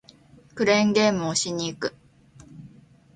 クレーンゲームをしに行く